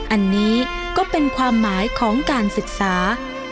อันนี้ก็เป็นความหมายของการศึกษา